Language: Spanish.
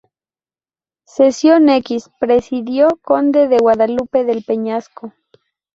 Sesión X: Presidió: Conde de Guadalupe del Peñasco.